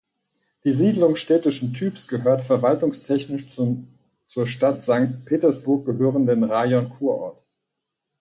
Die Siedlung städtischen Typs gehört verwaltungstechnisch zum zur Stadt Sankt Petersburg gehörenden Rajon Kurort.